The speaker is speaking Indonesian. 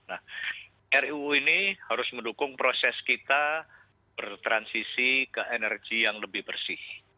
nah ruu ini harus mendukung proses kita bertransisi ke energi yang lebih bersih